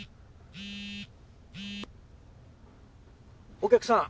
・お客さん